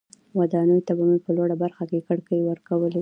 ودانیو ته به یې په لوړه برخه کې کړکۍ ورکولې.